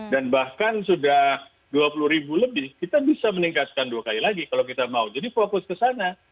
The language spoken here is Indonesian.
dan bahkan sudah dua puluh ribu lebih kita bisa meningkatkan dua kali lagi kalau kita mau jadi fokus ke sana